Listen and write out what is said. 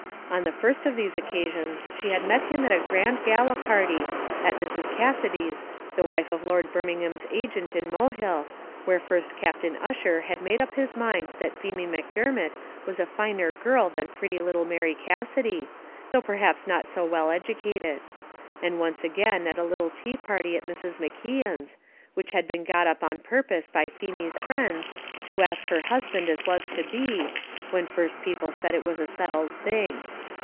On the first of these occasions she had met him at a grand gala party, at Mrs. Cassidy's, the wife of Lord Birmingham's agent in Mohill, where first Captain Ussher had made up his mind that Feemy Macdermot was a finer girl than pretty little Mary Cassidy, though perhaps not so well educated; and once again at a little tea party at Mrs. McKeon's, which had been got up on purpose by Feemy's friends, to ask her husband as was to be when first people said it was a settled thing.